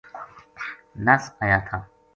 نَس آیا تھا